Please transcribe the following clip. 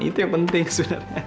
itu yang penting sebenarnya